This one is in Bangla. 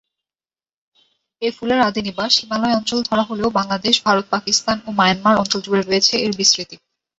এ ফুলের আদিনিবাস হিমালয় অঞ্চল ধরা হলেও বাংলাদেশ, ভারত, পাকিস্তান ও মায়ানমার অঞ্চল জুড়ে রয়েছে এর বিস্তৃতি।